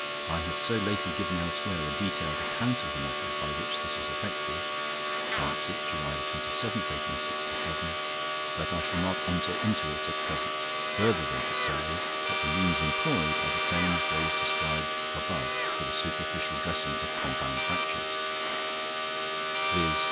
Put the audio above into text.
I have so lately given elsewhere a detailed account of the method by which this is effected (Lancet, July 27th, 1867), that I shall not enter into it at present further than to say that the means employed are the same as those described above for the superficial dressing of compound fractures; viz.